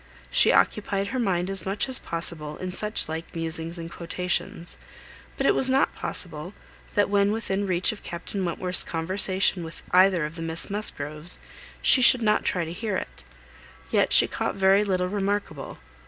She occupied her mind as much as possible in such like musings and quotations; but it was not possible, that when within reach of Captain Wentworth's conversation with either of the Miss Musgroves, she should not try to hear it; yet she caught little very remarkable.